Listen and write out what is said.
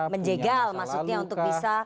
menjegal maksudnya untuk bisa